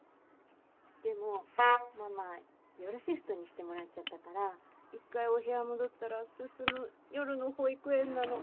でもママ夜シフトにしてもらっちゃったから一回お部屋戻ったら進夜の保育園なの。